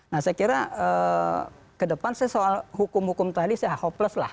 nah saya kira ke depan saya soal hukum hukum tadi saya hopeless lah